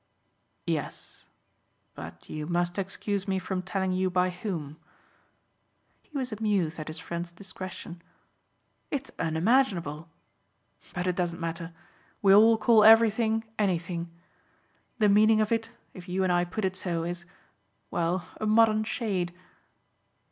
"Yes, but you must excuse me from telling you by whom." He was amused at his friend's discretion. "It's unimaginable. But it doesn't matter. We all call everything anything. The meaning of it, if you and I put it so, is well, a modern shade."